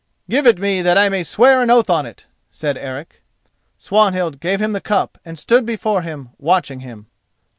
"Give it me that I may swear an oath on it," said Eric. Swanhild gave him the cup and stood before him, watching him.